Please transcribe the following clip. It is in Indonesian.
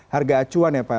harga acuan ya pak